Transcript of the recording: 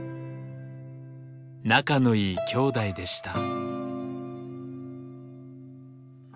仲のいい兄弟でした。